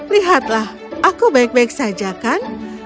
lihatlah aku baik baik saja kan